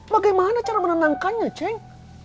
bagaimana cara menenangkannya ceng